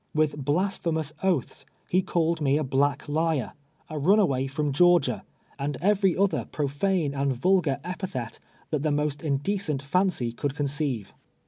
With blasphemous oaths, he called me a black liar, a runaway from Georgia, and every other profane and %> ■nVELVE TEAKS A PI.AYE. vulgar epithet that the most indecent fancy could conceive.